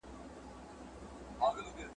لکه دی چي د جنګونو قهرمان وي ..